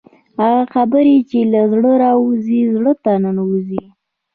هغه خبرې چې له زړه راوځي زړه ته ننوځي.